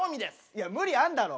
いや無理あんだろ。